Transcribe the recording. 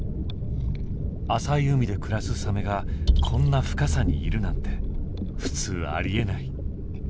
浅い海で暮らすサメがこんな深さにいるなんて普通ありえない。